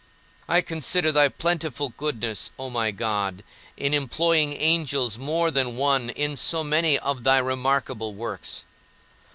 I consider thy plentiful goodness, O my God, in employing angels more than one in so many of thy remarkable works.